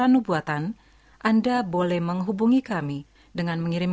nada yang indah di hatiku bisikannya yang berduu